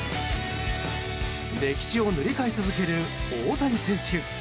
歴史を塗り替え続ける大谷選手。